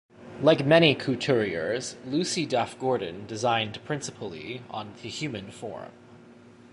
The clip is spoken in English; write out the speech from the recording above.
Like many couturiers, Lucy Duff-Gordon designed principally on the human form.